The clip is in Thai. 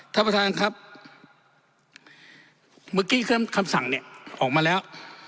ท่านประธานครับเมื่อกี้คำสั่งเนี่ยออกมาแล้ว